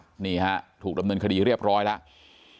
โดยไม่ได้รับอนุญาตนี่ฮะถูกรำเนินคดีเรียบร้อยแล้ว